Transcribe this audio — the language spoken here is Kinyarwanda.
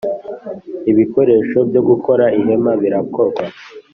Ibikoresho byo gukora ihema birakorwa.